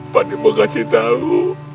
pak deh mau kasih tau